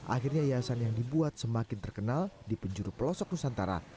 akhirnya yayasan yang dibuat semakin terkenal di penjuru pelosok nusantara